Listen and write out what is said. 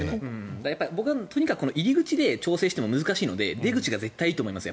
僕はとにかく入り口で調整しても難しいので出口が絶対いいと思います。